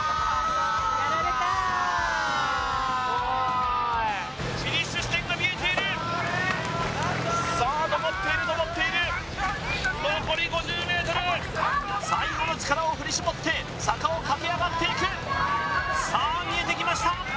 ・やられたおいフィニッシュしてるのが見えているさあ上っている上っている残り５０ｍ最後の力を振り絞って坂を駆け上がっていくさあ見えてきました